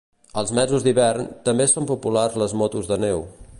Als mesos d'hivern, també són populars les motos de neu.